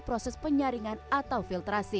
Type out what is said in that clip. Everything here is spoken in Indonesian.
proses penyaringan atau filtrasi